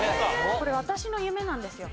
これ私の夢なんですよ。